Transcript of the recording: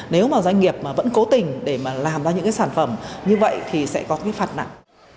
nếu mà doanh nghiệp vẫn cố tình để làm ra những sản phẩm như vậy thì sẽ có cái phần nặng